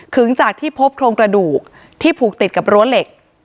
ถึงจากที่พบโครงกระดูกที่ผูกติดกับรั้วเหล็ก